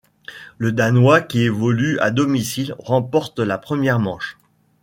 Le Danois qui évolue à domicile, remporte la première manche.